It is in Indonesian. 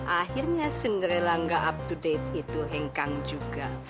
akhirnya senderilang gak up to date itu hengkang juga